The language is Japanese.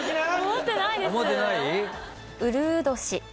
思ってないです。